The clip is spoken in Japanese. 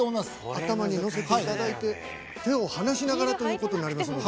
頭に乗せていただいて手を離しながらということになりますので。